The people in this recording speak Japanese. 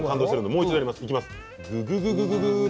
もう一度、やります。